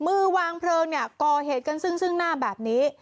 มือวางเพลิงเนี่ยก่อเหตุกันซึ่งซึ่งหน้าแบบนี้